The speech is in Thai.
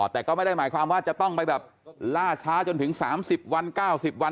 แต่ก็ไม่ได้หมายความว่าจะต้องไปแบบล่าช้าจนถึง๓๐วัน๙๐วัน